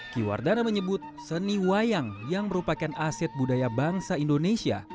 kiwardana menyebut seni wayang yang merupakan aset budaya bangsa indonesia